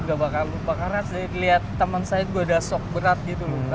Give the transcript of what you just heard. gue bakal lupa karena saya lihat teman saya juga udah shock berat gitu lho